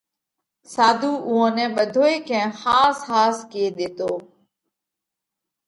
ساڌُو اُوئون نئہ ٻڌوئي ڪئين ۿاس ۿاس ڪي ۮيتو۔